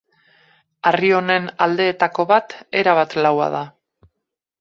Harri honen aldeetako bat, erabat laua da.